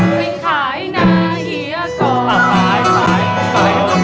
เป็นขายนาเหี้ยก่อน